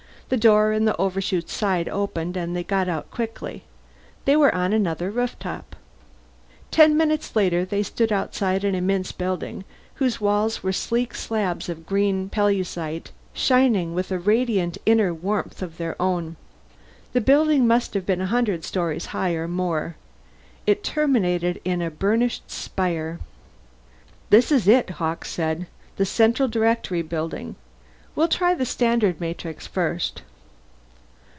The door in the Overshoot's side opened and they got out quickly. They were on another rooftop. Ten minutes later they stood outside an immense building whose walls were sleek slabs of green pellucite, shining with a radiant inner warmth of their own. The building must have been a hundred stories high, or more. It terminated in a burnished spire. "This is it," Hawkes said. "The Central Directory Building. We'll try the Standard Matrix first."